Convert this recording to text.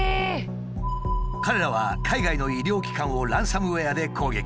彼らは海外の医療機関をランサムウエアで攻撃。